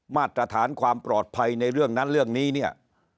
มาตรฐานความปลอดภัยในเรื่องนั้นเรื่องนี้เนี่ย